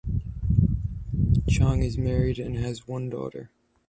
Chong is married and has one daughter.